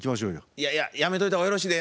いやいややめといた方がよろしいで。